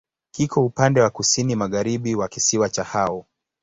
Kiko upande wa kusini-magharibi wa kisiwa cha Hao.